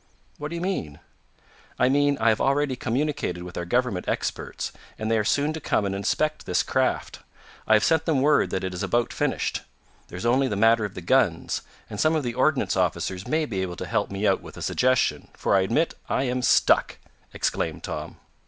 "What do you mean?" "I mean I have already communicated with our government experts, and they are soon to come and inspect this craft. I have sent them word that it is about finished. There is only the matter of the guns, and some of the ordnance officers may be able to help me out with a suggestion, for I admit I am stuck!" exclaimed Tom.